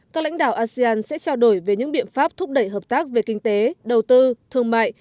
các lãnh đạo asean sẽ trao đổi về những biện pháp thúc đẩy hợp tác về kinh tế đầu tư thương mại